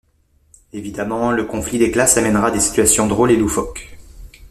Évidemment, le conflit des classes amènera des situations drôles et loufoques.